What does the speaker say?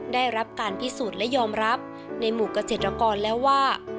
ได้รับการพิสูจน์และยอมรับในหมู่เกษตรกรแล้วว่า